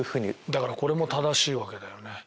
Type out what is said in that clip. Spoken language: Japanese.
だからこれも正しいわけだよね。